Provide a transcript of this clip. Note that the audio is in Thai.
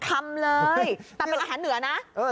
แต่เป็นอาหารเหนือนะ